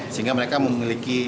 sehingga mereka memiliki